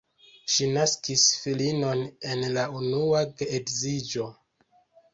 Ŝi naskis filinon en la unua geedziĝo.